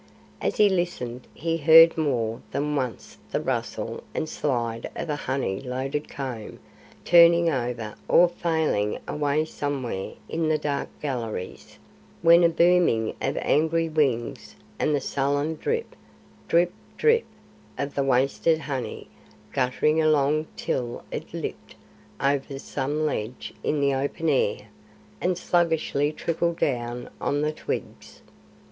As he listened he heard more than once the rustle and slide of a honey loaded comb turning over or failing away somewhere in the dark galleries; then a booming of angry wings, and the sullen drip, drip, drip, of the wasted honey, guttering along till it lipped over some ledge in the open air and sluggishly trickled down on the twigs.